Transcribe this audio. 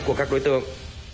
của các đối tượng